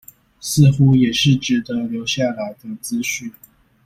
似乎也是值得留下來的資訊